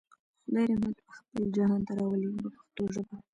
خدای رحمت خپل جهان ته راولېږه په پښتو ژبه.